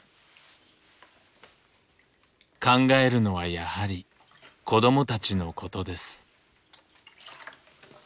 考えるのはやはり子どもたちのことです。